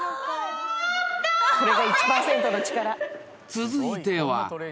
［続いては］